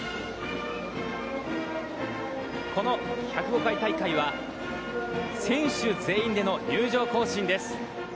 この１０５回大会は、選手全員での入場行進です。